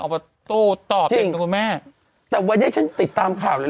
ออกมาโตตอบเด็กนะคุณแม่แต่วันนี้ฉันติดตามข่าวเลย